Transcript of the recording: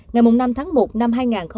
ngày năm tháng một năm hai nghìn hai mươi